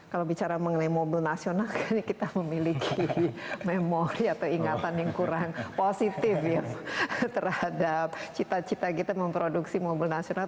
kalau bicara mengenai mobil nasional kayaknya kita memiliki memori atau ingatan yang kurang positif ya terhadap cita cita kita memproduksi mobil nasional